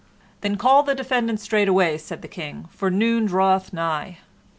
"Then called the defendant straightway," said the King, "for noon draweth nigh."